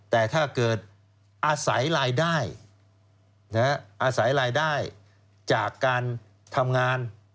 แต่ถ้าเกิดอาศัยรายได้อาศัยรายได้จากการทำงาน